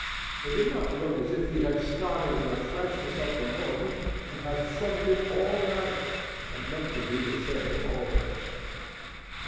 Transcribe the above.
He did not look as if he had started in the freshness of the morning, but had footed it all night, and meant to do the same all day.